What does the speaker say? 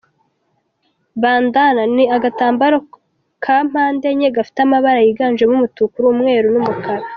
Bandana ni agatambaro ka mpande enye, gafite amabara yiganjemo umutuku umweru n’umukara.